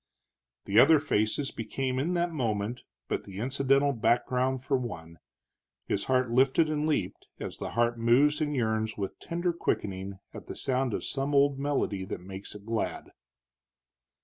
The other faces became in that moment but the incidental background for one; his heart lifted and leaped as the heart moves and yearns with tender quickening at the sound of some old melody that makes it glad.